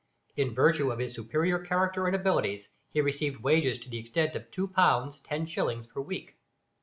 In virtue of his superior character and abilities he received wages to the extent of 2 pounds, 10 shillings per week.